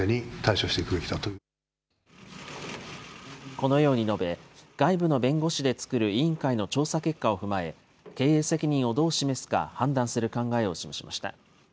このように述べ、外部の弁護士で作る委員会の調査結果を踏まえ、経営責任をどう示すか判断する考えを示しました。